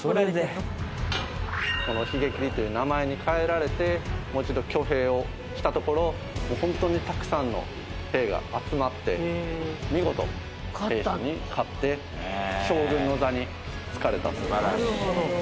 この髭切という名前に変えられてもう一度挙兵をしたところホントにたくさんの兵が集まって見事平氏に勝って将軍の座に就かれたそうです。